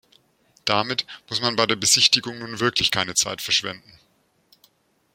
Damit muss man bei der Besichtigung nun wirklich keine Zeit verschwenden.